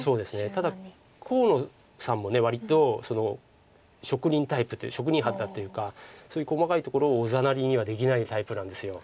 ただ河野さんも割と職人タイプ職人肌というかそういう細かいところをおざなりにはできないタイプなんです。